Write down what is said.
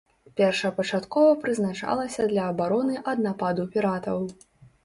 Першапачаткова прызначалася для абароны ад нападу піратаў.